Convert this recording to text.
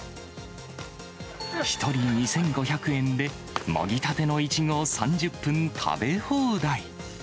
１人２５００円で、もぎたてのイチゴを３０分食べ放題。